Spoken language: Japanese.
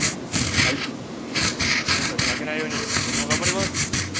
はい柊人に負けないように僕も頑張ります